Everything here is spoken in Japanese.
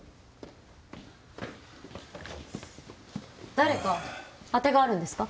誰か当てがあるんですか？